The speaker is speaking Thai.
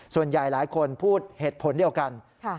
ส่วนใหญ่หลายคนพูดเหตุผลเดียวกัน